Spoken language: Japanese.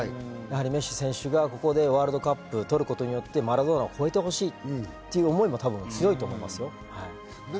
メッシ選手がここでワールドカップとることによってマラドーナを超えてほしいという思いも多分強いと思うんですよ。